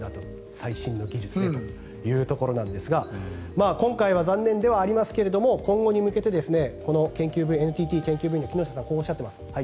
最新の技術でということですが今回は残念ではありますが今後に向けてＮＴＴ研究部員の木下さんはこうおっしゃっています。